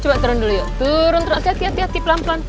coba turun dulu yuk turun hati hati pelan pelan